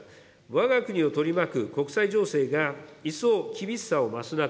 わが国を取り巻く国際情勢が一層厳しさを増す中、